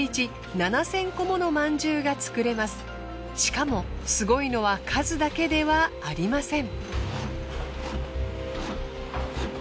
しかもすごいのは数だけではありません。